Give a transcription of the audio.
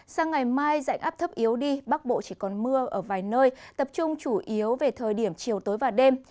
sang ngày mai dạnh áp thấp yếu đi bắc bộ chỉ còn mưa ở vài nơi tập trung chủ yếu về thời điểm chiều tối và đêm